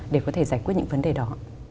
để có thể giải quyết những vấn đề đó